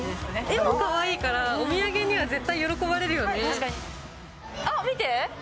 絵もかわいいからお土産には絶対喜ばれるよね。